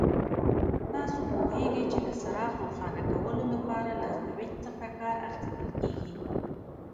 تاسو پوهیږئ چې د څراغ روښانه کولو لپاره له سوېچ څخه کار اخیستل کېږي.